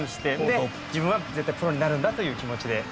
で自分は絶対プロになるんだという気持ちで。